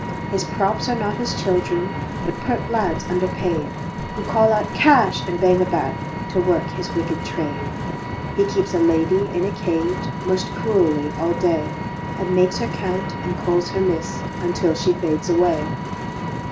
His props are not his children, But pert lads underpaid, Who call out "Cash!" and bang about To work his wicked trade; He keeps a lady in a cage Most cruelly all day, And makes her count and calls her "Miss" Until she fades away.